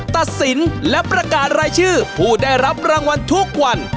ตัดสินและประกาศรายชื่อผู้ได้รับรางวัลทุกวัน